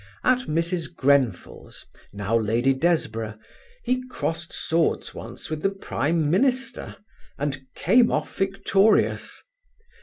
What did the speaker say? At Mrs. Grenfell's (now Lady Desborough) he crossed swords once with the Prime Minister and came off victorious.